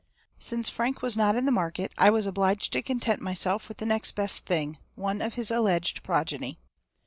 Since Frank was not in the market I was obliged to content myself with the next best thing, one of his alleged progeny.